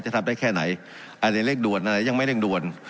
จะทำได้แค่ไหนอันใดเลขดวนอันใดยังไม่เลขดวน